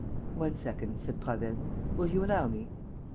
"One second," said Prasville. "Will you allow me?"